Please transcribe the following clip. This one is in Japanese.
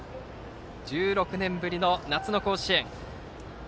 １６年ぶりの夏の甲子園。